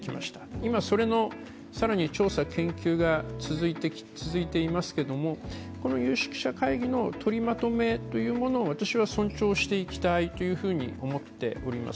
今、それの更に調査・研究が続いていますけれどもこの有識者会議のとりまとめというものを私は尊重していきたいと思っております。